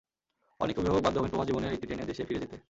অনেক অভিভাবক বাধ্য হবেন প্রবাস জীবনের ইতি টেনে দেশে ফিরে যেতে।